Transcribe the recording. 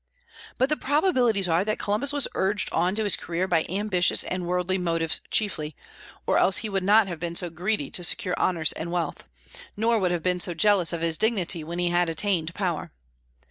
But the probabilities are that Columbus was urged on to his career by ambitious and worldly motives chiefly, or else he would not have been so greedy to secure honors and wealth, nor would have been so jealous of his dignity when he had attained power.